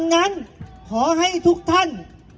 สวัสดีครับ